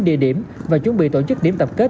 địa điểm và chuẩn bị tổ chức điểm tập kết